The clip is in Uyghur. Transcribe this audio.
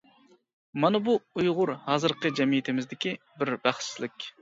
مانا بۇ ئۇيغۇر ھازىرقى جەمئىيىتىمىزدىكى بىر بەختسىزلىك!